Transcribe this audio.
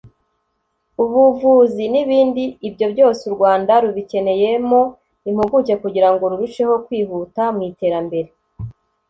ubuvuzi n’ibindi; ibyo byose u Rwanda rubikeneyemo impuguke kugira ngo rurusheho kwihuta mu iterambere